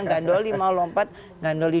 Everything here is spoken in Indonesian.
gandoli mau lompat gandoli